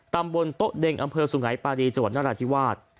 ตำบลโต๊ะเด็งอำเภอสุงัยปารีจังหวัดนราธิวาส